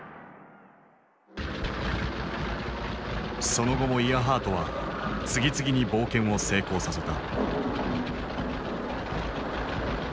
その後もイアハートは次々に冒険を成功させた。